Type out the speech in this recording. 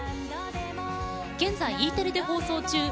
現在、Ｅテレで放送中